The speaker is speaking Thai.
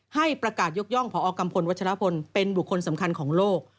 ให้ประกาศยกย่องพอกัมพลวัชลพลเป็นบุคคลสำคัญของโลก